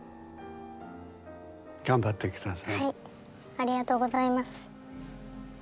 ありがとうございます。